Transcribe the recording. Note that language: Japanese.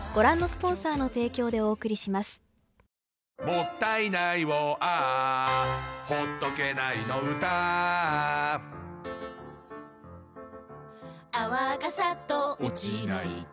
「もったいないをＡｈ」「ほっとけないの唄Ａｈ」「泡がサッと落ちないと」